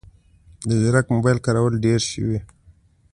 د ځیرک موبایل کارول ډېر شوي